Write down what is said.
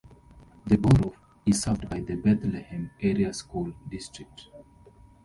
The Borough is served by the Bethlehem Area School District.